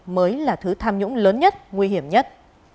mới là thứ tham nhũng lớn nhất nguy hiểm nhất